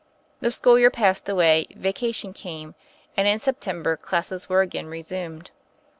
The school year passed away, vacation came, and in September classes were again resumed.